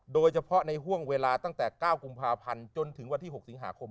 โดยเฉพาะในห่วงเวลาตั้งแต่๙กุมภาพันธ์จนถึงวันที่๖สิงหาคม